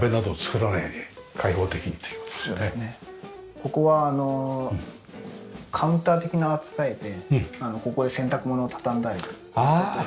ここはあのカウンター的な扱いでここで洗濯物を畳んだり外を見ながら。